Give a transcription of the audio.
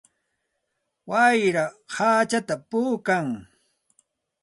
Wayra hachata puukan.